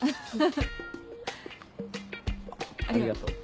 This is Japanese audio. ありがとう。